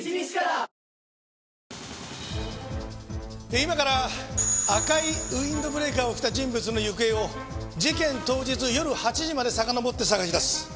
今から赤いウィンドブレーカーを着た人物の行方を事件当日夜８時までさかのぼって捜し出す。